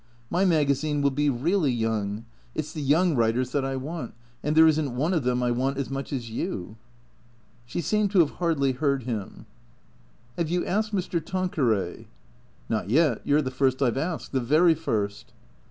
My magazine will be really young. It's the young writers that I want. And there isn't one of them I want as much as you." She seemed to have hardly heard him. " Have you asked Mr. Tanqueray ?"" Not yet. You 're the first I 've asked. The very first."